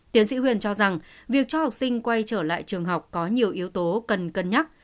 tiến sĩ huyền cho rằng việc cho học sinh quay trở lại trường học có nhiều yếu tố cần cân nhắc